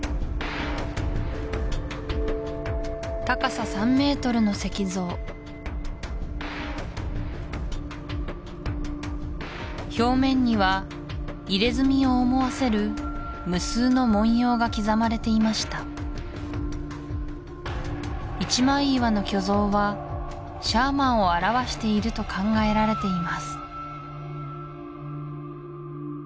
高さ３メートルの石像表面には入れ墨を思わせる無数の文様が刻まれていました一枚岩の巨像はシャーマンを表していると考えられています